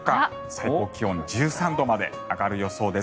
最高気温、１３度まで上がる予想です。